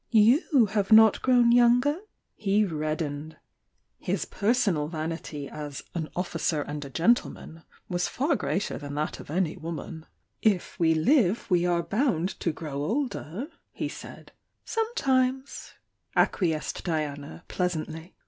You have not grown younger!" He reddened. His personal vanity as "an officer I 860 THE YOUNG DIANA and a gentleman" was far greater than that of any ^°"If we live, we are bound to grow older " he """Sometimes," acquiesced Diana, pleasantly.